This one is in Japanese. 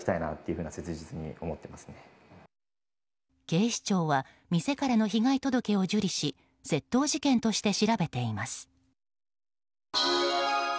警視庁は店からの被害届を受理し窃盗事件として調べています。